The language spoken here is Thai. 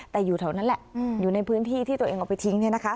แต่อยู่แถวนั้นแหละอยู่ในพื้นที่ที่ตัวเองเอาไปทิ้ง